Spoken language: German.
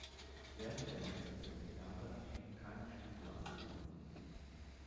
Während der nächsten zwölf Jahre erschien kein Studioalbum von ihm.